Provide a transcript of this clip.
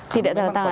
tidak tanda tangan